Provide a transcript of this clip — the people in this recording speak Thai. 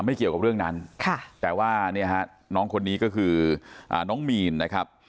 เกี่ยวกับเรื่องนั้นแต่ว่าเนี่ยฮะน้องคนนี้ก็คือน้องมีนนะครับ